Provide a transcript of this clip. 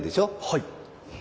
はい。